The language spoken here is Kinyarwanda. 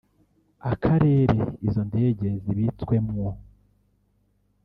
akarere izo ndege zibitswemwo